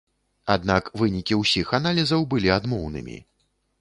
Аднак вынікі ўсіх аналізаў былі адмоўнымі.